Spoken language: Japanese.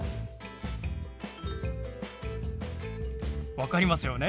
分かりますよね？